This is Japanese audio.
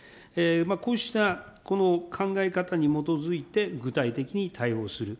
こうしたこの考え方に基づいて、具体的に対応する。